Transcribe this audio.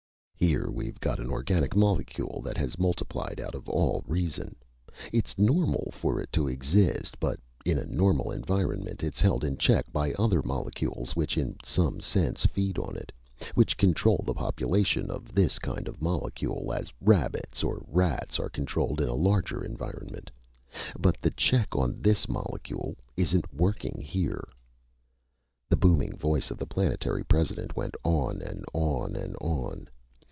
Here we've got an organic molecule that has multiplied out of all reason! It's normal for it to exist, but in a normal environment it's held in check by other molecules which in some sense feed on it; which control the population of this kind of molecule as rabbits or rats are controlled in a larger environment. But the check on this molecule isn't working, here!" The booming voice of the Planetary President went on and on and on.